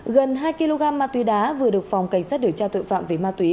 gần hai kg ma túy đá vừa được phòng cảnh sát điều tra tội phạm về ma túy